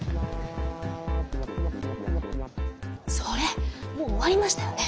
それもう終わりましたよね？